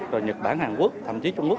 rồi nhật bản hàn quốc thậm chí trung quốc